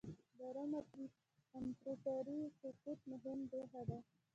د روم د امپراتورۍ سقوط مهمه پېښه ده.